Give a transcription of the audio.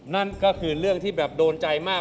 นั่นก็คือเรื่องที่แบบโดนใจมาก